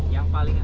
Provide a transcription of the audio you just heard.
yang paling ada